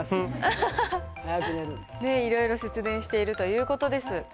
いろいろ節電しているということです。